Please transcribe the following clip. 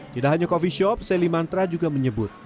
tidak hanya coffee shop sally mantra juga menyebut